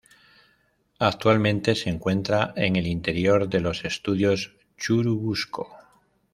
Actualmente se encuentra en el interior de los Estudios Churubusco.